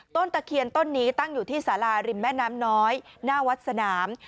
ตะเคียนต้นนี้ตั้งอยู่ที่สาราริมแม่น้ำน้อยหน้าวัดสนาม